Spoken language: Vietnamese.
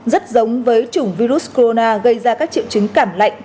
rất giống với chủng virus corona gây ra các triệu chứng cảm lạnh